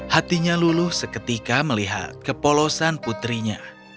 hatinya luluh seketika melihat kepolosan putrinya